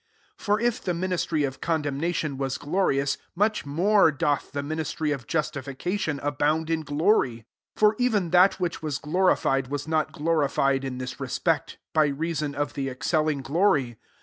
9 For if the ministry of con lemnation was glorious, much nore doth the ministry of justi ication abound in glory. 10 P'or iven that which was glorified ras not glorified in this re pect, by reason of the excelling jlory.